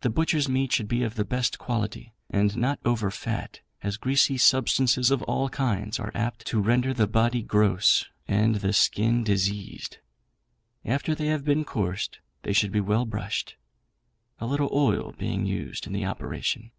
The butchers' meat should be of the best quality, and not over fat, as greasy substances of all kinds are apt to render the body gross and the skin diseased. After they have been coursed they should be well brushed, a little oil being used in the operation.